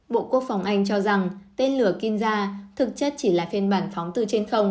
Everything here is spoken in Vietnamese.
bộ quốc phòng anh cho rằng tên lửa kinza thực chất chỉ là phiên bản phóng từ trên không